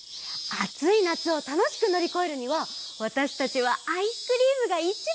あつい夏をたのしくのりこえるにはわたしたちはアイスクリームがいちばん！